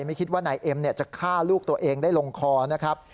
ไม่คิดว่านายเอ็มจะฆ่าลูกตัวเองได้ลงคอนะครับ